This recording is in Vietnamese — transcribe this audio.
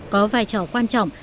có vai trò quan trọng